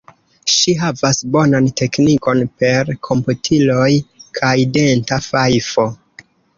Ŝi havas bonan teknikon per komputiloj kaj denta fajfo.